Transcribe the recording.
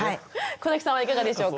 小さんはいかがでしょうか？